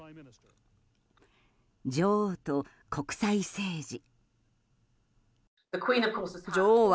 女王と国際政治。